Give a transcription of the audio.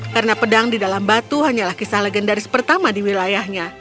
karena pedang di dalam batu hanyalah kisah legendaris pertama di wilayahnya